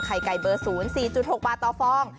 ไข่ไก่บริษูนย์๔๖บาทต่อฟอง